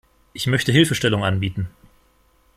Ich möchte Hilfestellung anbieten.